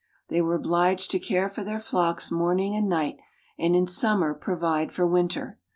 Tliey were obliged to care for their fiocks morning and night, and in summer provide for winter.